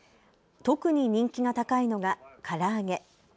特に人気が高いのがから揚げ。